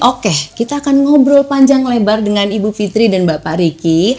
oke kita akan ngobrol panjang lebar dengan ibu fitri dan bapak riki